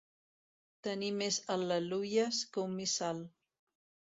Tenir més al·leluies que un missal.